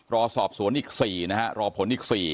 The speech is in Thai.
รอสอบสวนอีก๔นะฮะรอผลอีก๔